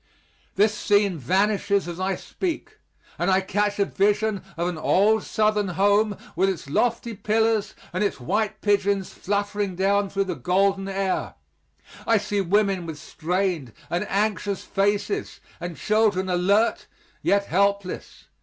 This scene vanishes as I speak, and I catch a vision of an old Southern home with its lofty pillars and its white pigeons fluttering down through the golden air. I see women with strained and anxious faces, and children alert yet helpless.